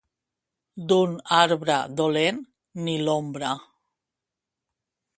D'un arbre dolent, ni l'ombra.